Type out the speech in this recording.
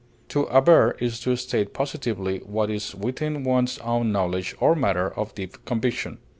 To aver is to state positively what is within one's own knowledge or matter of deep conviction.